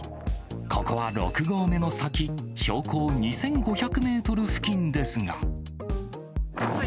ここは６合目の先、標高２５００メートル付近ですが。